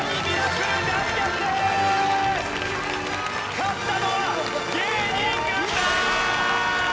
勝ったのは芸人軍団！